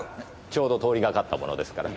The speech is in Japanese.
ちょうど通りがかったものですから。